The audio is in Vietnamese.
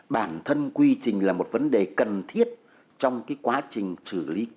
bản thân quy trình là một vấn đề cần thiết trong quá trình thực hiện công tác cán bộ